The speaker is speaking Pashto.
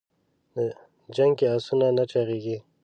د جنګ کې اسونه نه چاغېږي.